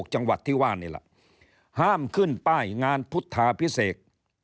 ห้ามขึ้นป้ายงานพุทธภิเษก